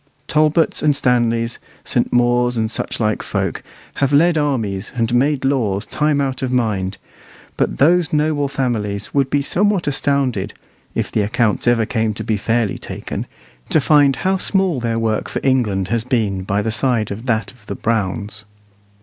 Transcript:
Talbots and Stanleys, St. Maurs, and such like folk, have led armies and made laws time out of mind; but those noble families would be somewhat astounded if the accounts ever came to be fairly taken to find how small their work for England has been by the side of that of the Browns.